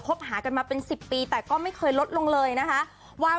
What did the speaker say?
หากันมาเป็น๑๐ปีแต่ก็ไม่เคยลดลงเลยนะคะว่า